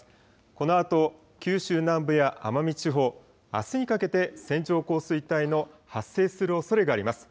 このあと、九州南部や奄美地方、あすにかけて線状降水帯の発生するおそれがあります。